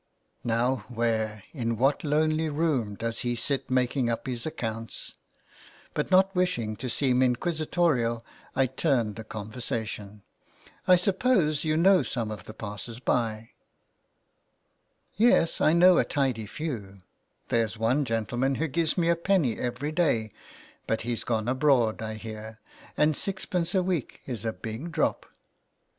'' Now where, in what lonely room, does he sit making up his accounts ? but, not wishing to seem inquisi torial, I turned the conversation. '' I suppose you know some of the passers by." 273 S ALMS GIVING. '^ Yes, I know a tidy few. There's one gentleman who gives me a penny every day, but he's gone abroad, I hear, and sixpence a week is a big drop."